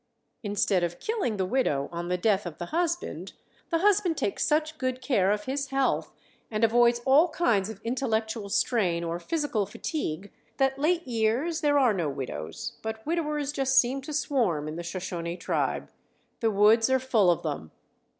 Instead of killing the widow on the death of the husband, the husband takes such good care of his health and avoids all kinds of intellectual strain or physical fatigue, that late years there are no widows, but widowers just seem to swarm in the Shoshone tribe. The woods are full of them.